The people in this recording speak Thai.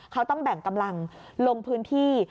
เขาต้องแบ่งกำลังลงพื้นที่